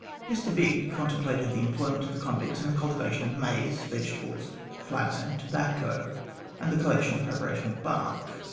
Mr Bigge contemplated the employment of the convicts in the cultivation of maize, vegetables, flax, and tobacco, and the collection and preparation of bark.